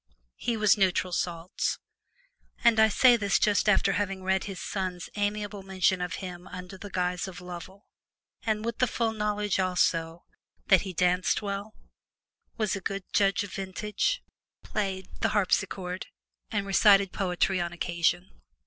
He was neutral salts; and I say this just after having read his son's amiable mention of him under the guise of "Lovel," and with the full knowledge also that "he danced well, was a good judge of vintage, played the harpsichord, and recited poetry on occasion."